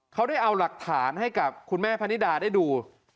เขาได้เอาหลักฐานให้กับคุณแม่พนิดาได้ดู